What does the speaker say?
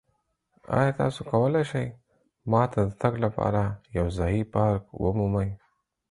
ایا تاسو کولی شئ ما ته د تګ لپاره یو ځایی پارک ومومئ؟